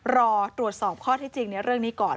รอตรวจสอบข้อที่จริงในเรื่องนี้ก่อน